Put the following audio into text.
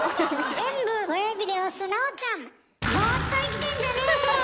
全部親指で押す奈緒ちゃん！